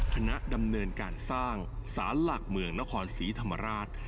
คณะดำเนินการสร้างสารหลักเมืองนครศรีธรรมราช